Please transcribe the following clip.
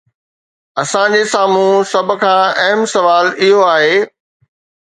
اسان جي سامهون سڀ کان اهم سوال اهو آهي.